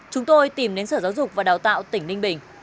chúng tôi tìm đến sở giáo dục và đào tạo tỉnh ninh bình